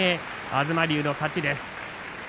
東龍の勝ちです。